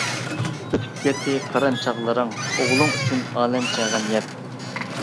ئۆتۈپ كەتتى قىران چاغلىرىڭ، ئوغلۇڭ ئۈچۈن ئالەمچە غەم يەپ.